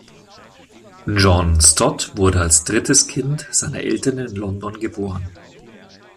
John Stott wurde als drittes Kind seiner Eltern in London geboren.